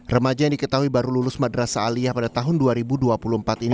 remaja yang diketahui baru lulus madrasa aliyah pada tahun dua ribu dua puluh empat ini